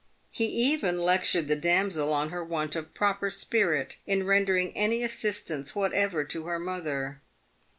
He even lectured the damsel on her want of " proper spirit" in rendering any assistance whatever to her mother.